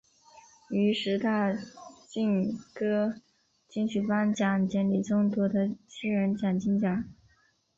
于十大劲歌金曲颁奖典礼中夺得新人奖金奖。